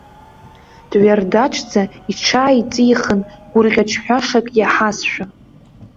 Дҩардаџӡа иҽааиҵихын, гәырӷьаҿҳәашак иаҳазшәа.